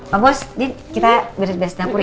pak bos kita garis garis dapur ya